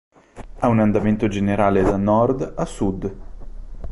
Ha un andamento generale da nord a sud.